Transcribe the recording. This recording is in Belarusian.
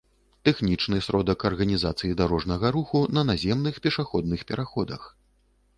тэхнічны сродак арганізацыі дарожнага руху на наземных пешаходных пераходах